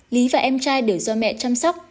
lý và em trai đều do mẹ chăm sóc